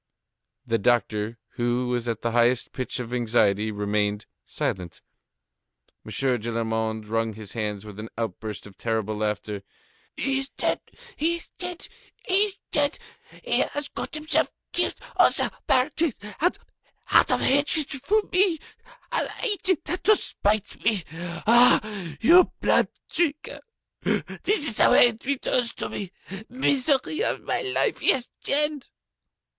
The doctor, who was at the highest pitch of anxiety, remained silent. M. Gillenormand wrung his hands with an outburst of terrible laughter. "He is dead! He is dead! He is dead! He has got himself killed on the barricades! Out of hatred to me! He did that to spite me! Ah! You blood drinker! This is the way he returns to me! Misery of my life, he is dead!"